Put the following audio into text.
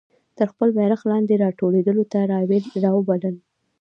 تر خپل بیرغ لاندي را ټولېدلو ته را وبلل.